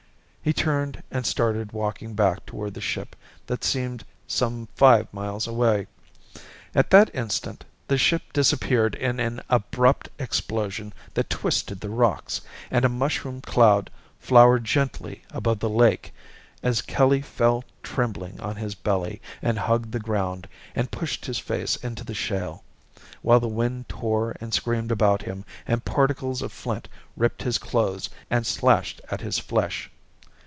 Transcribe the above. He turned and started walking back toward the ship that seemed some five miles away. At that instant, the ship disappeared in an abrupt explosion that twisted the rocks, and a mushroom cloud flowered gently above the lake as Kelly fell trembling on his belly and hugged the ground and pushed his face into the shale, while the wind tore and screamed around him and particles of flint ripped his clothes and slashed at his flesh.